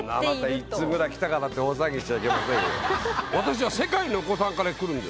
１通ぐらい来たからって大騒ぎしちゃいけませんよ。